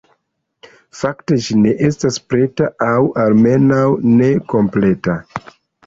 Fakte ĝi ne estas preta, aŭ almenaŭ ne kompleta.